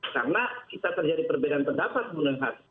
karena kita terjadi perbedaan pendapat bung renhat